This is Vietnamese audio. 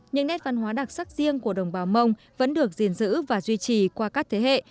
những nét văn hóa đặc sắc riêng của đồng bào mông vẫn được gìn giữ và duy trì qua các thế hệ